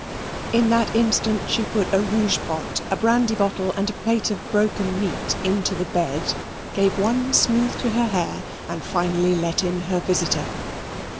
In that instant she put a rouge pot, a brandy bottle, and a plate of broken meat into the bed, gave one smooth to her hair, and finally let in her visitor.